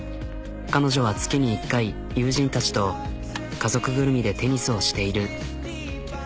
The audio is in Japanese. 彼女は月に１回友人たちと家族ぐるみでテニスをしている。